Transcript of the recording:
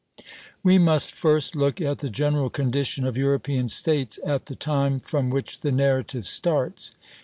We must first look at the general condition of European States at the time from which the narrative starts.